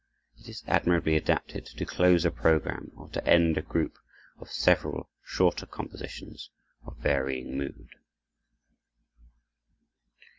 It is admirably adapted to close a program or to end a group of several shorter compositions of varying mood.